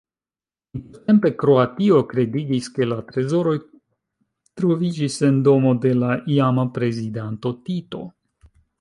Intertempe Kroatio kredigis, ke la trezoroj troviĝis en domo de la iama prezidanto Tito.